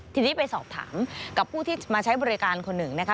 ทีนี้ไปสอบถามกับผู้ที่มาใช้บริการคนหนึ่งนะคะ